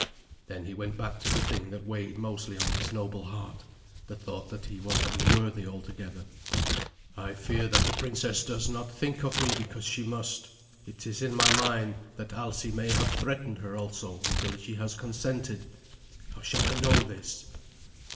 Then he went back to the thing that weighed mostly on his noble heart the thought that he was unworthy altogether. "I fear that the princess does but think of me because she must. It is in my mind that Alsi may have threatened her also until she has consented. How shall I know this?"